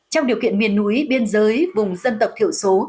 trong điều kiện miền núi biên giới vùng dân tộc thiểu số